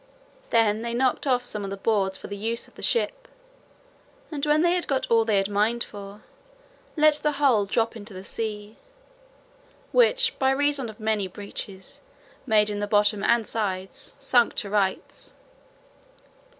Then they knocked off some of the boards for the use of the ship, and when they had got all they had a mind for, let the hull drop into the sea, which by reason of many breaches made in the bottom and sides, sunk to rights.